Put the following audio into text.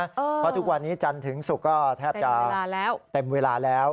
เพราะทุกวันนี้จันทร์ถึงศุกร์ก็แทบจะเต็มเวลาแล้ว